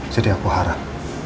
jadi aku harap